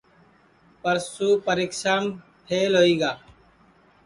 پرسو پریکشام پھیل ہوئی گا